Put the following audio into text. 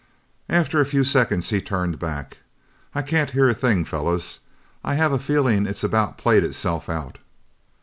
After a few seconds he turned back. "I can't hear a thing, fellas. I have a feeling it's about played itself out."